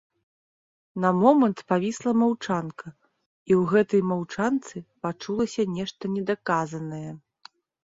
На момант павісла маўчанка, і ў гэтай маўчанцы пачулася нешта недаказанае.